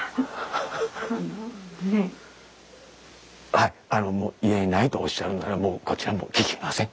はいあのもう言えないとおっしゃるならもうこちらも聞きません。